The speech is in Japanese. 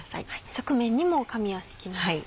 側面にも紙を敷きます。